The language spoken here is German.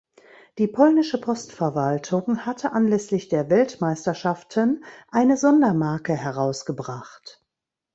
Die polnische Postverwaltung hatte anlässlich der Weltmeisterschaften eine Sondermarke herausgebracht.